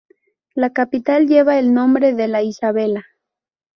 La capital lleva el nombre de la Isabela.